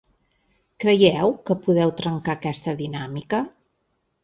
Creieu que podeu trencar aquesta dinàmica?